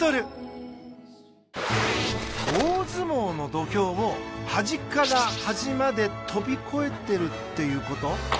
大相撲の土俵を端から端まで跳び越えてるっていう事？